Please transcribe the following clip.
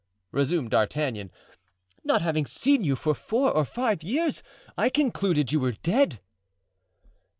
resumed D'Artagnan, "not having seen you for four or five years I concluded you were dead."